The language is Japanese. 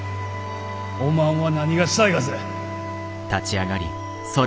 おまんは何がしたいがぜ？